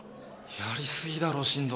やりすぎだろ進藤。